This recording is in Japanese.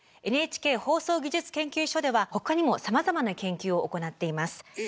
ＮＨＫ放送技術研究所では他にもさまざまな研究を行っています。